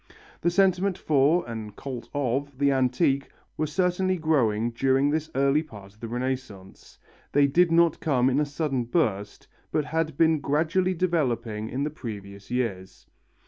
The sentiment for, and cult of, the antique were certainly growing during this early part of the Renaissance; they did not come in a sudden burst, but had been gradually developing in the previous years.